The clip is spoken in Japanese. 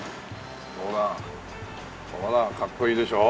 ほらほらかっこいいでしょう？